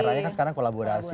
r i a kan sekarang kolaborasi